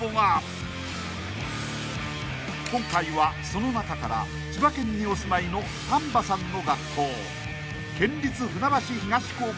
［今回はその中から千葉県にお住まいの丹波さんの学校県立船橋東高校に決定］